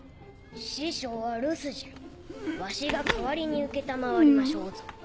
師匠は留守じゃわしが代わりに承りましょうぞ。